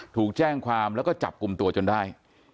ถูกแจ้งความแล้วก็จับกลุ่มตัวจนได้